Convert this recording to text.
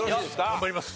頑張ります。